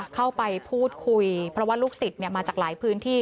เข้าไปพูดคุยเพราะว่าลูกศิษย์มาจากหลายพื้นที่